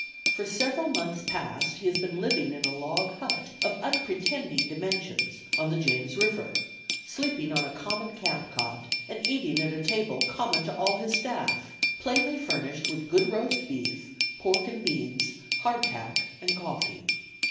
For several months past he has been living in a log hut of unpretending dimensions on the James River, sleeping on a common camp cot, and eating at a table common to all his staff, plainly furnished with good roast beef, pork and beans, 'hard tack' and coffee.